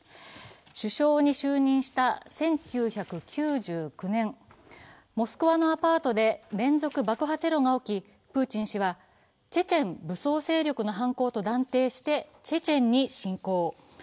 首相に就任した１９９９年、モスクワのアパートで連続爆破テロが起きプーチン氏は、チェチェン武装勢力の犯行と断定してチェチェンに侵攻。